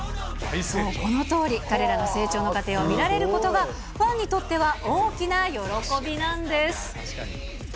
このとおり、彼らの成長の過程を見られることが、ファンにとっては大きな喜びなんです。